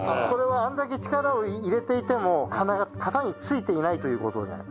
これはあれだけ力を入れていても金が型についていないという事で。